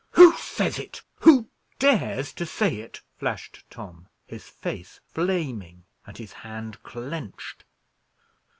"Who says it? Who dares to say it?" flashed Tom, his face flaming, and his hand clenched.